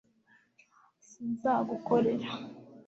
sinzagukorera